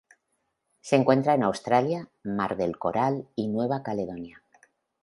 Se encuentra en Australia, Mar del Coral y Nueva Caledonia.